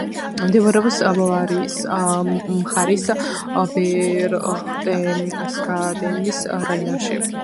მდებარეობს ბავარიის მხარის ბერხტესგადენის რაიონში.